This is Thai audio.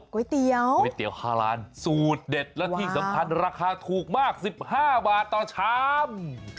ก๋วยเตี๋ยว๕ล้านสูตรเด็ดและที่สำคัญราคาถูกมาก๑๕บาทต่อชาม